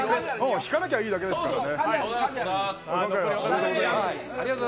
引かなきゃいいだけですよね。